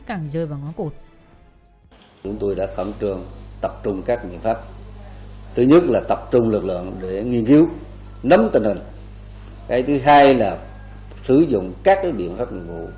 càng rơi vào ngón cụt